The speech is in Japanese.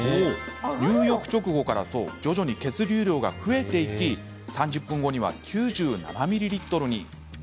入浴直後から徐々に血流量が増えていき３０分後には９７ミリリットルに。